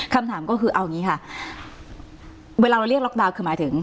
คำถามก็คือเอาอย่างนี้ค่ะเวลาเราเรียกล็อกดาวน์คือหมายถึง